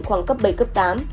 khoảng cấp bảy cấp tám